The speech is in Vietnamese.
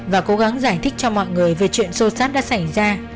và cố gắng giải thích cho mọi người về chuyện sâu sát đã xảy ra